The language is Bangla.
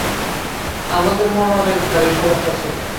আমাদের মনে অনেক ভারী সমস্যা ছিল।